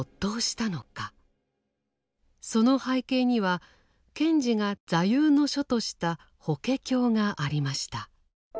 その背景には賢治が座右の書とした「法華経」がありました。